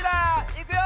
いくよ！